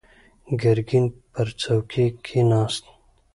ګرګين پر څوکۍ کېناست.